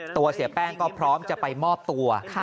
เสียแป้งก็พร้อมจะไปมอบตัว